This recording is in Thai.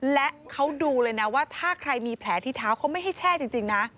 และเขาดูเลยนะว่าถ้าใครมีแผลที่เท้าเขาไม่ให้แช่จริงนะ